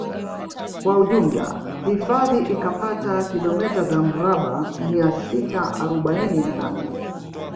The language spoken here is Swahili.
Kwa ujumla hifadhi ikapata kilomita za mraba mia sita arobaini na nane